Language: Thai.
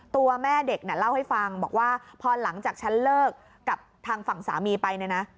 ตัวแม่เด็กน่ะเล่าให้ฟังบอกว่าพอหลังจากฉันเลิกกับทางฝั่งสามีไปเนี่ยนะ